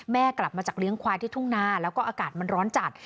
กลับมาจากเลี้ยงควายที่ทุ่งนาแล้วก็อากาศมันร้อนจัด